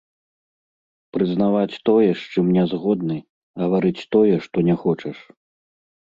Прызнаваць тое, з чым не згодны, гаварыць тое, што не хочаш.